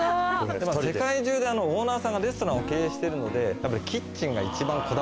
世界中でオーナーさんがレストランを経営してるのでたぶん。